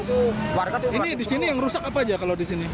ini disini yang rusak apa aja kalau disini